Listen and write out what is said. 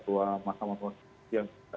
dua mahkamah konstitusi yang sudah